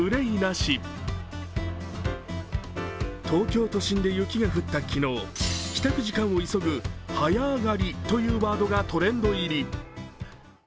東京都心で雪が降った昨日、帰宅時間を急ぐ「早上がり」というワードがトレンド入り。